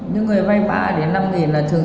những người vay bã đến năm là thường thường